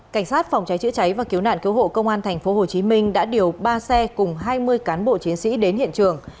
cảnh sát phòng cháy chữa cháy và cứu nạn cứu hộ công an tp hcm đã điều ba xe cùng hai mươi cán bộ chiến sĩ đến hiện trường